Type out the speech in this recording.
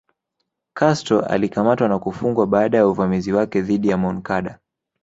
Castro alikamatwa na kufungwa baada ya uvamizi wake dhidi ya Moncada